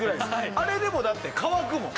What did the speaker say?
あれでもだって乾くもん。